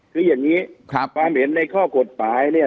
คือท่านนี้คือความเห็นในข้อกรปลายนี่